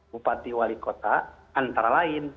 bupati wali kota antara lain